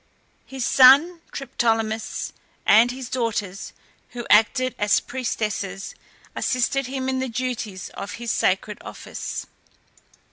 His son Triptolemus and his daughters, who acted as priestesses, assisted him in the duties of his sacred office.